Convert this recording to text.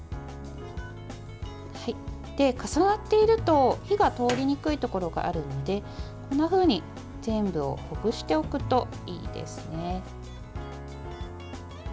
重なっていると火が通りにくいところがあるのでこんなふうに全部をほぐしておくといいですね。